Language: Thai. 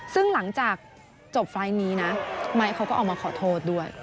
ซึ่งหลังจากจบไฟล์ทนี้นะไม้เขาก็ออกมาขอโทษด้วย